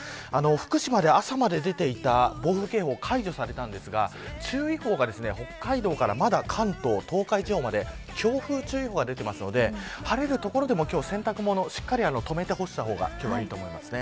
福島で朝まで出ていた暴風警報が解除されましたが注意報が北海道からまだ関東、東海地方まで強風注意報が出ているので晴れる所でも、今日は洗濯物しっかり止めて干した方がいいです。